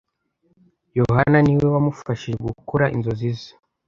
Yohana niwe wamufashije gukora inzozi ze.